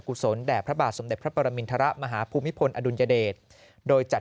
ศลแด่พระบาทสมเด็จพระปรมินทรมาฮภูมิพลอดุลยเดชโดยจัด